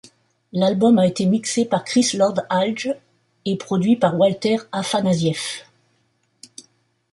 L'album a été mixé par Chris Lord-Alge et produit par Walter Afanasieff.